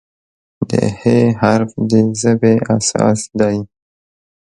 د "ه" حرف د ژبې اساس دی.